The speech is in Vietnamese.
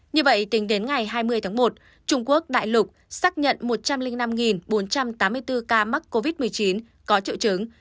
như vậy tính đến ngày hai mươi tháng một trung quốc đại lục xác nhận một trăm linh năm bốn trăm tám mươi bốn ca mắc covid một mươi chín có triệu chứng